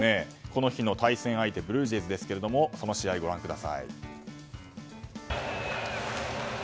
この日の対戦相手ブルージェイズですがその試合、ご覧ください。